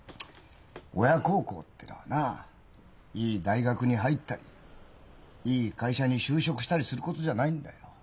親孝行ってのはないい大学に入ったりいい会社に就職したりすることじゃないんだよ。